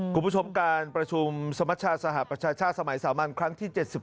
คุณผู้ชมการประชูมสมัตรชาษฐ์สมัยสามัญครั้งที่๗๘